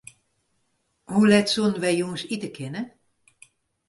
Hoe let soenen wy jûns ite kinne?